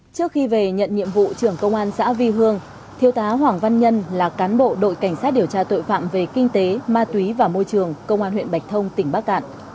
trước khi về nhận nhiệm vụ trưởng công an xã vi hương thiếu tá hoàng văn nhân là cán bộ đội cảnh sát điều tra tội phạm về kinh tế ma túy và môi trường công an huyện bạch thông tỉnh bắc cạn